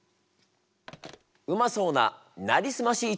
うまそうな「なりすまし」一丁！